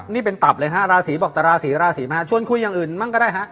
นี่เป็นตับเลยฮะราศีบอกแต่ราศีราศีไหมฮะชวนคุยอย่างอื่นมั่งก็ได้ฮะ